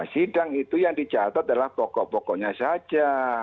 sidang itu yang dicatat adalah pokok pokoknya saja